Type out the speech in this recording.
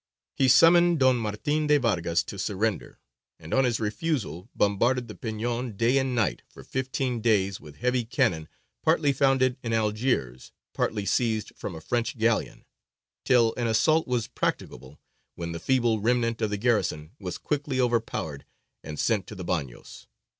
He summoned Don Martin de Vargas to surrender, and, on his refusal, bombarded the Peñon day and night for fifteen days with heavy cannon, partly founded in Algiers, partly seized from a French galleon, till an assault was practicable, when the feeble remnant of the garrison was quickly overpowered and sent to the bagnios.